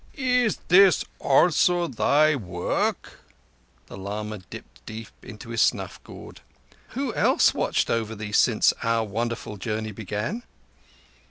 "Is this also thy work?" The lama dipped deep into his snuff gourd. "Who else watched over thee since our wonderful journey began?"